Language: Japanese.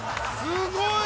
すごい。